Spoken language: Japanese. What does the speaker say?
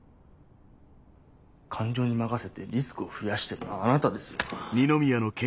感情に任せてリスクを増やしてるのはあなたですよ。